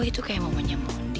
kok itu kayak momennya mondi